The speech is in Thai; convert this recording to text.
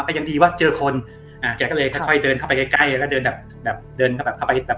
แต่ยังดีว่าเจอคนอ่าแกก็เลยค่อยเดินเข้าไปใกล้แล้วก็เดินแบบ